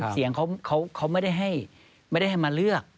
เสียงเขาไม่ได้ให้มาเลือก